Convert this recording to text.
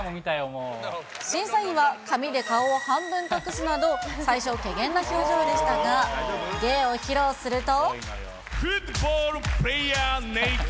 審査員は紙で顔を半分隠すなど、最初、けげんな表情でしたが、芸を披露すると。